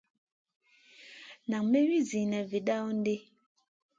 Nan may wi Zumma vi dawn ɗi.